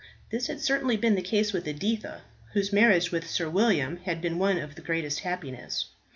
This had certainly been the case with Editha, whose marriage with Sir William had been one of the greatest happiness.